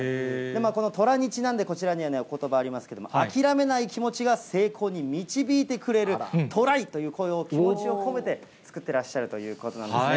このとらにちなんで、こちらにはことばありますけれども、諦めない気持ちが成功に導いてくれる、トライという声を、気持ちを込めて作ってらっしゃるということなんですね。